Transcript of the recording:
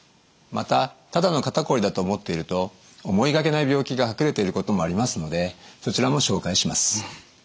またただの肩こりだと思っていると思いがけない病気が隠れていることもありますのでそちらも紹介します。